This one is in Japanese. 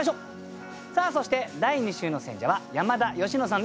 さあそして第２週の選者は山田佳乃さんです。